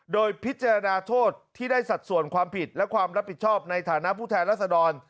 โดยพิจารณาโทษที่ได้สัดส่วนความผิดและความรับผิดชอบในฐานะผู้แทนรัศดร